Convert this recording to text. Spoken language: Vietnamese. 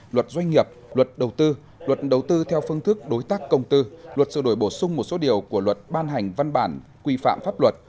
luật doanh nghiệp luật đầu tư luật đầu tư theo phương thức đối tác công tư luật sửa đổi bổ sung một số điều của luật ban hành văn bản quy phạm pháp luật